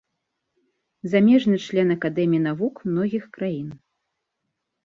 Замежны член акадэмій навук многіх краін.